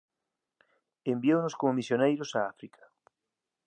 Enviounos como misioneiros a África